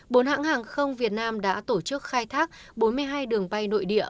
bốn hãng hàng không việt nam đã tổ chức khai thác bốn mươi hai đường bay nội địa